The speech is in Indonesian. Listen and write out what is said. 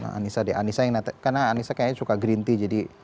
anissa deh anissa yang netek karena anissa kayaknya suka green tea jadi